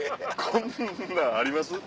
こんなんあります？